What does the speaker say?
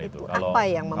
itu apa yang membuat